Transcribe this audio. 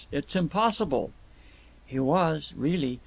It's impossible." "He was, really.